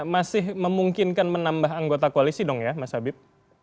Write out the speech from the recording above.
masih memungkinkan menambah anggota koalisi dong ya mas habib